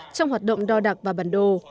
trong hoạt động đo đạc và bản đồ